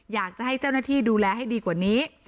อยากจะให้เจ้าหน้าที่ดูแลให้ดีกว่านี้